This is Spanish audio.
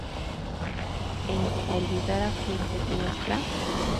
En "¿Olvidar a Clitemnestra?